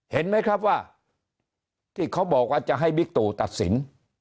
เห็นไหมครับว่าที่เขาบอกว่าจะให้บิ๊กตู่ตัดสิน